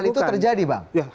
hal itu terjadi bang